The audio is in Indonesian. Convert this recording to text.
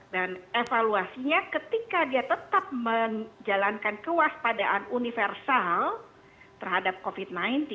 evaluasinya ketika dia tetap menjalankan kewaspadaan universal terhadap covid sembilan belas